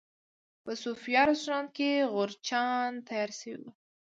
په صوفیا رسټورانټ کې غورچاڼ تیار شوی و.